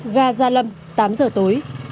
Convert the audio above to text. ga gia lâm tám giờ tối